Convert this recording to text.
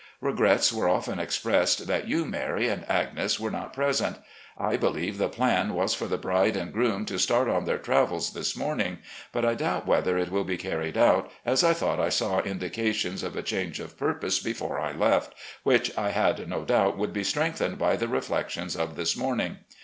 Regrets were often expressed that you, Mary, and Agnes were not present. I believe the plan was for the bride and groom to start on their travels this morning, but I doubt whether it will be carried out, as I thought I saw indications of a change of purpose before I left, which I had no doubt would be strengthened by the reflections of this morning.